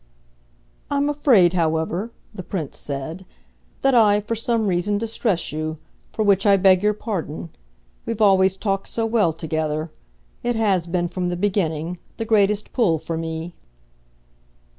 "I'm afraid, however," the Prince said, "that I, for some reason, distress you for which I beg your pardon. We've always talked so well together it has been, from the beginning, the greatest pull for me."